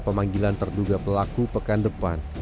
pemanggilan terduga pelaku pekan depan